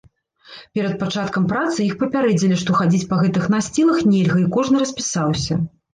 Перад пачаткам працы іх папярэдзілі, што хадзіць па гэтых насцілах нельга і кожны распісаўся.